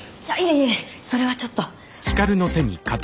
いえいえそれはちょっと。